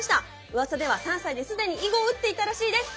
うわさでは３歳で既に囲碁を打っていたらしいです。